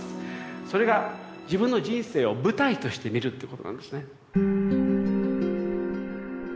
それが自分の人生を舞台として見るということなんですね。